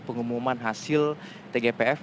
pengumuman hasil tgpf